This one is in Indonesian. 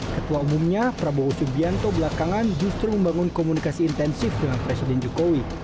ketua umumnya prabowo subianto belakangan justru membangun komunikasi intensif dengan presiden jokowi